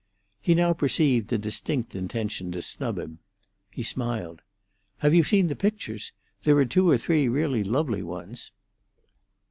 He now perceived a distinct intention to snub him. He smiled. "Have you seen the pictures? There are two or three really lovely ones."